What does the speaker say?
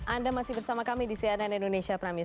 anda masih bersama kami di cnn indonesia pramius